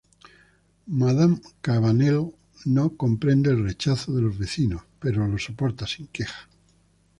Madame Cabanel no comprende el rechazo de los vecinos, pero lo soporta sin queja.